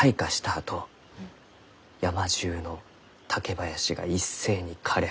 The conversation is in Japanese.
あと山じゅうの竹林が一斉に枯れ果てる。